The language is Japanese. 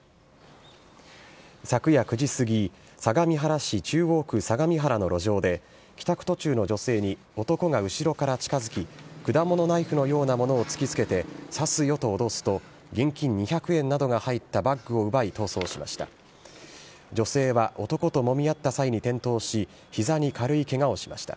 昨夜９時過ぎ、相模原市中央区相模原の路上で、帰宅途中の女性に男が後ろから近づき、果物ナイフのようなものを突きつけて、刺すよと脅すと、現金２００円などが入ったバッグを奪い、逃走しました。